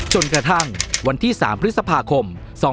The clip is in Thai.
จนกระทั่งวันที่๓พฤษภาคม๒๕๖๒